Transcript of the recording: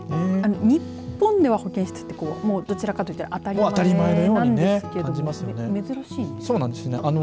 日本では、保健室ってどちらかというと当たり前なんですけれど珍しいんですね。